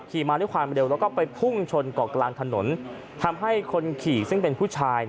มาด้วยความเร็วแล้วก็ไปพุ่งชนเกาะกลางถนนทำให้คนขี่ซึ่งเป็นผู้ชาย